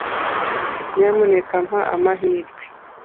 Nyamuneka mpa amahirwe.